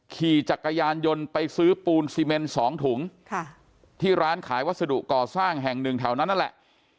ขี่จักรยานยนต์ไปซื้อปูนซีเมน๒ถุงที่ร้านขายวัสดุก่อสร้างแห่งหนึ่งแถวนั้นนั่นแหละ